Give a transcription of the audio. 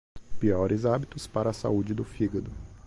Piores hábitos para a saúde do fígado